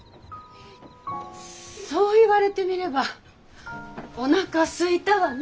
そう言われてみればおなかすいたわね。